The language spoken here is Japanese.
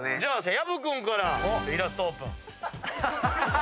薮君からイラストオープン。